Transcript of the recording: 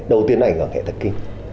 đầu tiên là ảnh hưởng hệ thần kinh